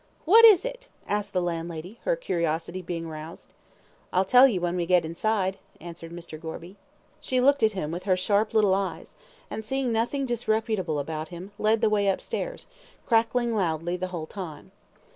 "What is it?" asked the landlady, her curiosity being roused. "I'll tell you when we get inside," answered Mr. Gorby. She looked at him with her sharp little eyes, and seeing nothing disreputable about him, led the way upstairs, crackling loudly the whole time.